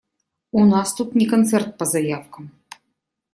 У нас тут не концерт по заявкам.